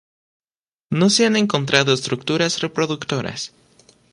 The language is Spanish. No se han encontrado Estructuras reproductoras.